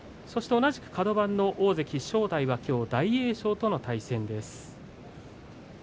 同じくカド番の大関正代はきょう大栄翔との対戦です。